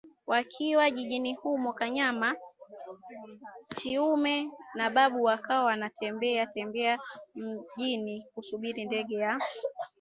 Wakiwa jijini humo Kanyama Chiume na Babu wakawa wanatembea tembea mjini kusubiri ndege ya